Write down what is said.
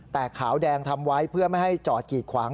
แต่ขาวแดงทำไว้เพื่อไม่ให้จอดกีดขวาง